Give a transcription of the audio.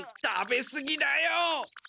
食べすぎだよ！